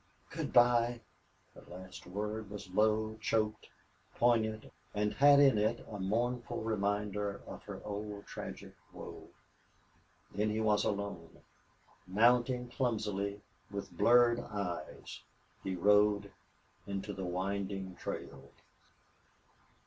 "Good by!" Her last word was low, choked, poignant, and had in it a mournful reminder of her old tragic woe. Then he was alone. Mounting clumsily, with blurred eyes, he rode into the winding trail.